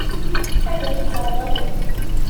Ad iyi-tt-ṛeḍlent?